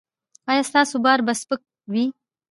ایا ستاسو بار به سپک وي؟